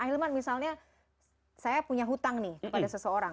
ah hilman misalnya saya punya hutang nih kepada seseorang